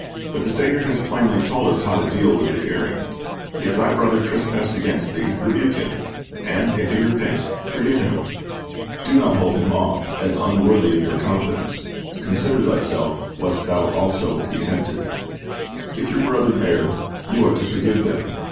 But the Saviour has plainly told us how to deal with the erring: "If thy brother trespass against thee, rebuke him; and if he repent, forgive him."' Do not hold him off as unworthy of your confidence. Consider "thyself, lest thou also be tempted."^ If your brethren err, you are to forgive them.